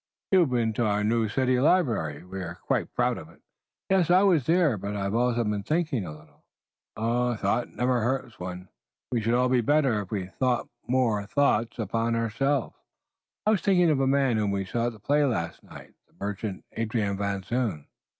"You have been to our new city library? We are quite proud of it." "Yes, I was there, but I have also been thinking a little." "Thought never hurts one. We should all be better if we took more thought upon ourselves." "I was thinking of a man whom we saw at the play last night, the merchant, Adrian Van Zoon."